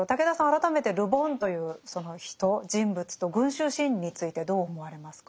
改めてル・ボンというその人人物と「群衆心理」についてどう思われますか？